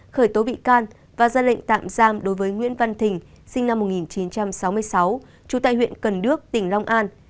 khởi tố bị can và ra lệnh tạm giam đối với nguyễn văn thình sinh năm một nghìn chín trăm sáu mươi sáu trú tại huyện cần đước tỉnh long an